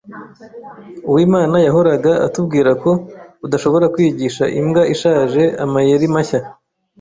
Uwimana yahoraga atubwira ko udashobora kwigisha imbwa ishaje amayeri mashya.